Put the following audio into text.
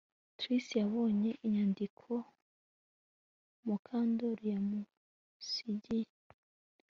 Trix yabonye inyandiko Mukandoli yamusigiye